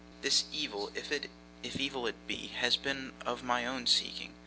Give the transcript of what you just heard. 'This evil, if evil it be, has been of my own seeking.